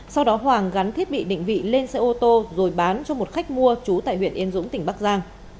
sau đó hoàng gắn thiết bị định vị lên xe ô tô rồi bán cho một khách mua chú tại huyện yên dũng tỉnh bắc giang